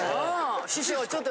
師匠ちょっと。